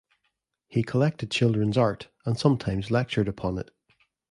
He collected children's art and sometimes lectured upon it.